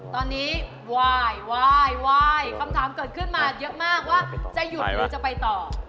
ตอนนี้วายคำถามเกิดขึ้นมาเยอะมากว่าจะหยุดหรือจะไปต่อ